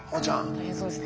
大変そうですね。